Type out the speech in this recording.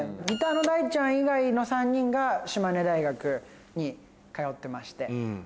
ギターの大ちゃん以外の３人が島根大学に通ってまして。